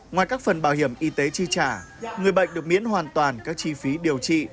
ngoài các phần bảo hiểm y tế chi trả người bệnh được miễn hoàn toàn các chi phí điều trị